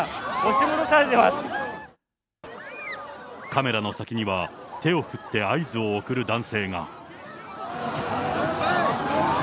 カメラの先には、手を振って合図を送る男性が。